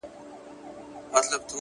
o دا به چيري خيرن سي؛